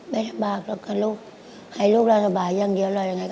ไม่ลำบากหรอกค่ะลูกให้ลูกรอสบายอย่างเดียวเลย